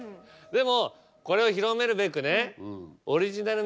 でもこれを広めるべくね。